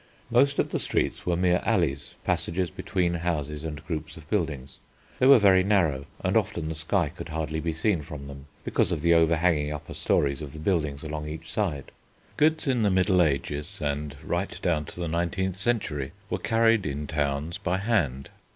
Most of the streets were mere alleys, passages between houses and groups of buildings. They were very narrow and often the sky could hardly be seen from them because of the overhanging upper storeys of the buildings along each side. Goods in the Middle Ages and right down to the nineteenth century were carried in towns by hand.